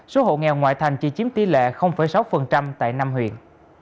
số hộ nghèo ngoại thành chỉ chiếm tỷ lệ sáu tại năm huyện